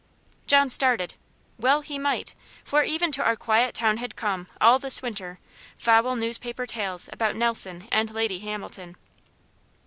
John started. Well he might, for even to our quiet town had come, all this winter, foul newspaper tales about Nelson and Lady Hamilton.